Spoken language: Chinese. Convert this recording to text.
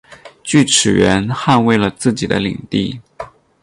锯齿螈捍卫了自己的领地。